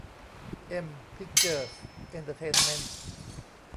เอ็ม พิคเจอร์ส เอ็นเตอร์เทนเม้นท์